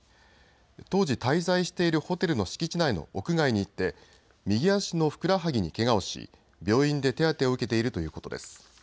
当時、滞在しているホテルの敷地内の屋外にいて右足のふくらはぎにけがをし病院で手当てを受けているということです。